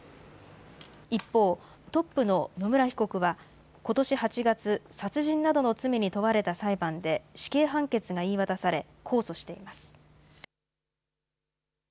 一方、トップの野村被告は、ことし８月、殺人などの罪に問われた裁判で死刑判決が言い渡され、控訴しています。